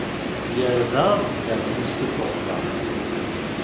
Yerda axeddam-nni s tukerḍa.